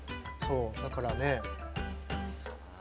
だからね。